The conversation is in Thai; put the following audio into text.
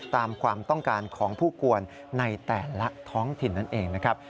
ตามความต้องการของผู้กวนในแต่ละท้องถิ่นนั่นเองนะครับ